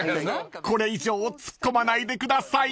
［これ以上突っ込まないでください］